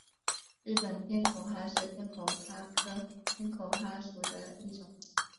日本偏口蛤是偏口蛤科偏口蛤属的一种。